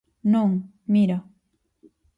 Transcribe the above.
Non, mira.